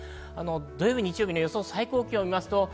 土曜日、日曜日の予想最高気温です。